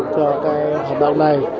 cho các hợp đồng này